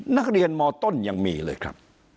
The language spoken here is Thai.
นักเรียนมต้นยังมีเลยครับ